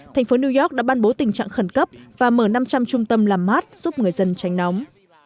thành phố new york đã ban bố tình trạng khẩn cấp và mở năm trăm linh trung tâm làm mát giúp người dân tránh nóng